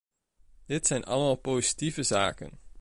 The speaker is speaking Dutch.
Dit zijn allemaal positieve zaken.